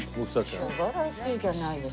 素晴らしいじゃないですか。